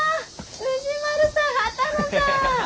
藤丸さん波多野さん！